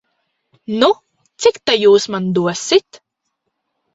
Nu, cik ta jūs man dosit?